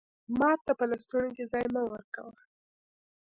مار ته په لستوڼي کي ځای مه ورکوه!